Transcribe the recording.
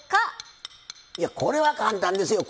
いやこれは簡単ですよ。